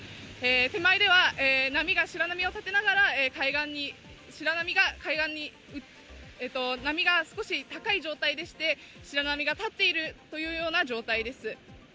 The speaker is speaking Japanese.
手前では波が少し高い状態でして、白波が立っているというような状態です。